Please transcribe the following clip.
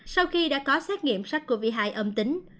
sau khi đã có xét nghiệm sars cov hai âm tính